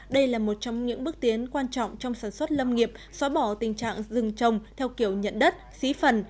đây là một trong những bước tiến quan trọng trong sản xuất lâm nghiệp xóa bỏ tình trạng rừng trồng theo kiểu nhận đất xí phần